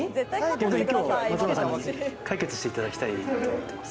今日、松丸さんに解決していただきたいと思ってます。